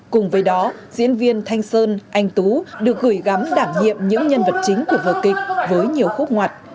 cùng với đó diễn viên thanh sơn anh tú được gửi gắm đảm nhiệm những nhân vật chính của vở kịch với nhiều khúc ngoặt